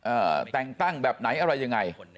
อ่าแต่งตั้งแบบไหนอะไรยังไง